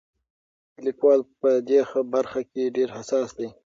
لیکوال په دې برخه کې ډېر حساس دی.